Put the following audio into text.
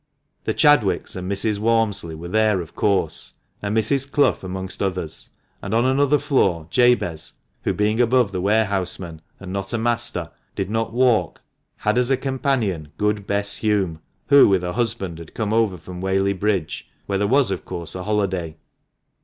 The Chadwicks and Mrs. Walmsley were there of course, and Mrs. Clough amongst others ; and on another floor Jabez — who being above the warehousemen, and not a master, did not walk — had as a companion good Bess Hulme, who with her husband had come over from Whaley Bridge, where there was, of course, a holiday.